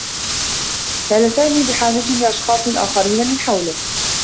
كان سامي بحاجة لأشخاص آخرين من حوله.